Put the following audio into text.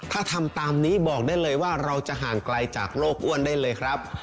ถ้าทำตามนี้บอกได้เลยว่าเราจะห่างไกลจากโลกอ้วนได้เลยครับ